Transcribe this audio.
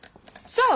そう。